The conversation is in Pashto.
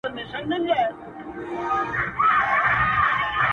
ښه وو تر هري سلگۍ وروسته دي نيولم غېږ کي,